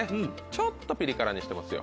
ちょっとピリ辛にしてますよ。